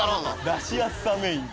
出しやすさメイン。